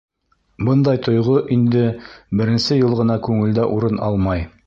Бындай тойғо инде беренсе йыл ғына күңелдә урын алмай.